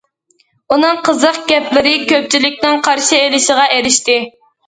ئۇنىڭ قىزىق گەپلىرى كۆپچىلىكنىڭ قارشى ئېلىشىغا ئېرىشتى.